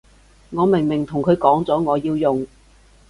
我明明同佢講咗我要用